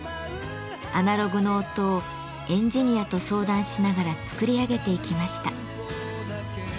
アナログの音をエンジニアと相談しながら作り上げていきました。